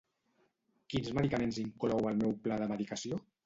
Quins medicaments inclou el meu pla de medicació?